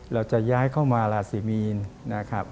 เราจะย้ายเข้ามาราศีมีน